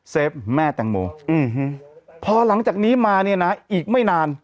เฟฟแม่แตงโมพอหลังจากนี้มาเนี่ยนะอีกไม่นาน